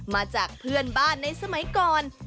มาจากเพื่อนบ้านในสมัยก่อน